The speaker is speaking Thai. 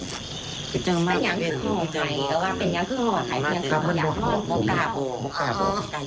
กินหรืออาจจะดี